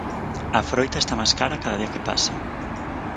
A froita está máis cara cada día que pasa